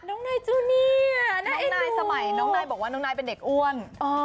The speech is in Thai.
น้องนายเจ้าเนี่ยนายสมัยน้องนายบอกว่าน้องนายเป็นเด็กอ้วน